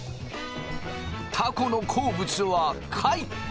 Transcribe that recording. たこの好物は貝。